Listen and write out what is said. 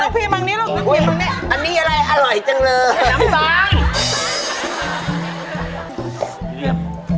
นับบีบแม่งนี้นี่อะไรอร่อยจังเลยน้้ำสาหาง